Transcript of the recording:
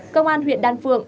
công an huyện đan phượng